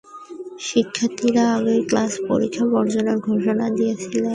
শিক্ষার্থীরা আগেই ক্লাস পরীক্ষা বর্জনের ঘোষণা দিয়েছিলেন।